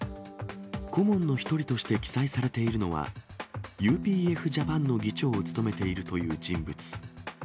顧問の１人として記載されているのは、ＵＰＦ・ジャパンの議長を務めているという人物。